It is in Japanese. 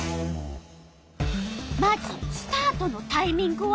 まずスタートのタイミングは？